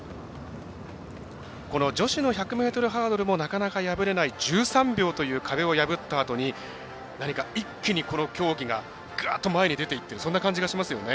この女子の１００ｍハードルもなかなか敗れない１３秒という壁を破ったあとに何か一気にこの競技がぐーっと前に出ていっているそんな感じがしますね。